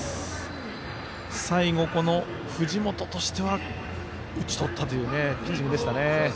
最後、藤本としては打ち取ったというピッチングでしたね。